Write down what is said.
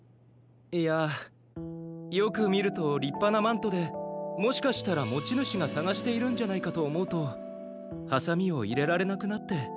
いやあよくみるとりっぱなマントでもしかしたらもちぬしがさがしているんじゃないかとおもうとハサミをいれられなくなって。